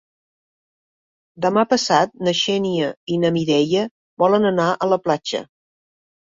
Demà passat na Xènia i na Mireia volen anar a la platja.